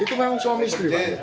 itu memang suami istri